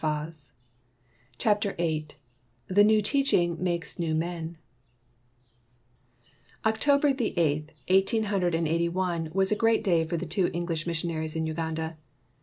153 CHAPTER VIII THE NEW TEACHING MAKES NEW MEN OCTOBER the eighth, eighteen hundred and eighty one, was a great day for the two English missionaries in Uganda.